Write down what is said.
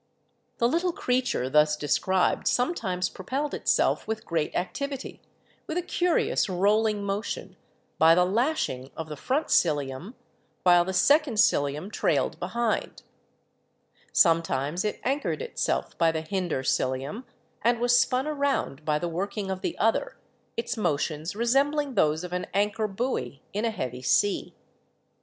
"The little creature thus described sometimes propelled itself with great activity, with a curious rolling motion, by the lashing of the front cilium, while the second cilium trailed behind; sometimes it anchored itself by the hinder cilium and was spun around by the working of the other, its motions resembling those of an anchor buoy in a heavy sea.